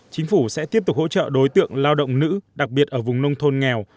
chính phủ sẽ tiếp tục hỗ trợ đối tượng lao động nữ đặc biệt ở vùng nông thôn nghèo